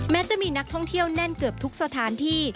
จะมีนักท่องเที่ยวแน่นเกือบทุกสถานที่